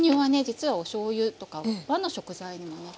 実はおしょうゆとか和の食材にもね